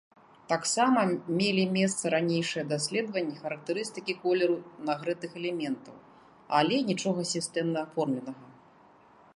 Таксама мелі месца ранейшыя даследванні характарыстыкі колеру нагрэтых элементаў, але нічога сістэмна аформленага.